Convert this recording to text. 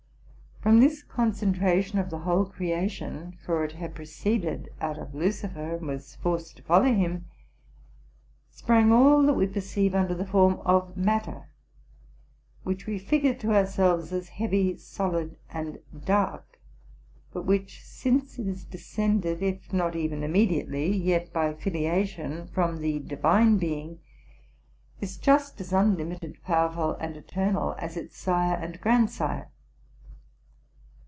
From this concentration of the whole creation —for it had proceeded out of Lucifer, and was forced to follow him —sprang all that we perceive under the form of matter, which we figure to ourselves as heavy, solid, and dark, but which, since it is descended, if not even im 292 TRUTH AND FICTION mediately, yet by filiation, from the Divine Being, is just as unlimited, powerful, and eternal as its sire and grandsire.